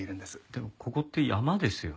でもここって山ですよね？